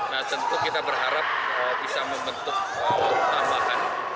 nah tentu kita akan berbicara dengan satu dua partai besar lain